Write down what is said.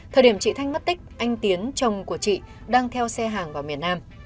thời điểm chị thanh mất tích anh tiến chồng của chị đang theo xe hàng vào miền nam